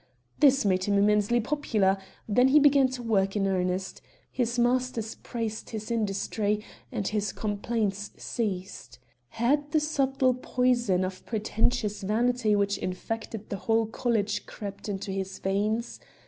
This made him immensely popular; then he began to work in earnest; his masters praised his industry and his complaints ceased. Had the subtle poison of pretentious vanity which infected the whole college crept into his veins?